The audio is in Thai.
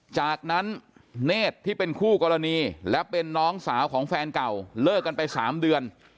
จากนั้นเนธที่เป็นคู่กรณีและเป็นน้องสาวของแฟนเก่าเลิกกันไป๓เดือน